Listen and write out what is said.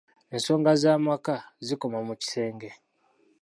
Ensonga z’amaka zikoma mu kisenge.